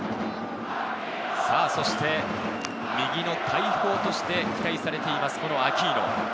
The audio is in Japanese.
さぁそして、右の大砲として期待されています、アキーノ。